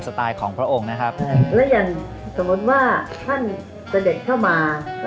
จะเดินเข้ามา